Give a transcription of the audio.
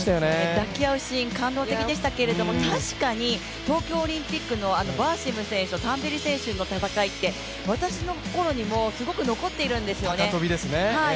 抱き合うシーン感動的でしたけれども、確かに東京オリンピックのバーシム選手とタンベリ選手の戦いって、私の心にもすごく残っているんですよね。